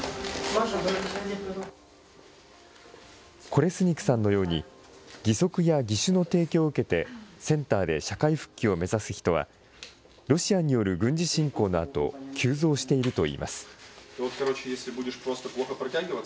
コレスニクさんのように義足や義手の提供を受けて、センターで社会復帰を目指す人は、ロシアによる軍事侵攻のあと、急増しているといいます。